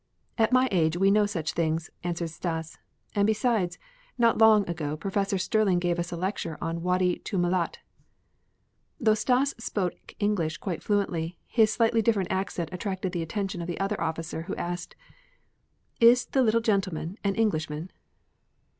"At my age, we know such things," answered Stas; "and besides, not long ago Professor Sterling gave us a lecture on Wâdi Tûmilât." Though Stas spoke English quite fluently, his slightly different accent attracted the attention of the other officer, who asked: "Is the little gentleman an Englishman?"